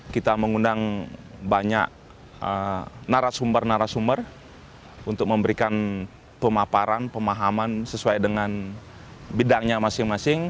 kita mengundang banyak narasumber narasumber untuk memberikan pemaparan pemahaman sesuai dengan bidangnya masing masing